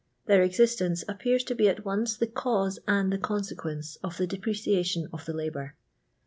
Their existence appears to be at once the cause and the consequence of the depreciation of the labour.